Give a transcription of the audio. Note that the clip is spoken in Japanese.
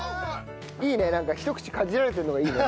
いいねなんかひと口かじられてるのがいいね。